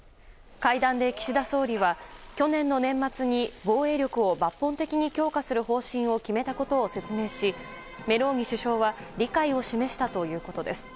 会談で岸田総理は去年の年末に、防衛力を抜本的に強化する方針を決めたことを説明しメローニ首相は理解を示したということです。